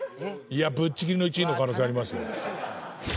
いやぶっちぎりの１位の可能性ありますよ。